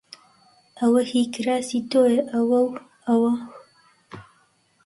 ئەوە هیی کراسی تۆیە! ئەوە و ئەوە و